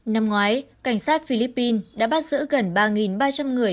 năm ngoái cảnh sát philippines đã bắt giữ gần ba ba trăm linh người